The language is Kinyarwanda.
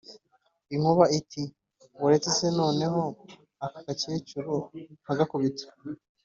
inkuba iti:" waretse se noneho aka gakecuru nkagakubita?"